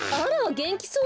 げんきそうね。